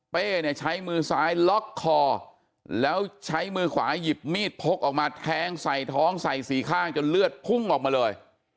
เนี่ยใช้มือซ้ายล็อกคอแล้วใช้มือขวาหยิบมีดพกออกมาแทงใส่ท้องใส่สี่ข้างจนเลือดพุ่งออกมาเลย